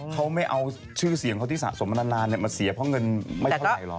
เขาไม่เอาชื่อเสียงเขาที่สะสมมานานมาเสียเพราะเงินไม่เท่าไหร่หรอก